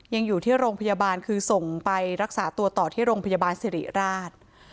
ยังอยู่ที่โรงพยาบาลคือส่งไปรักษาตัวต่อที่โรงพยาบาลสิริราช